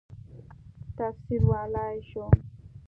تفسیرولای شو.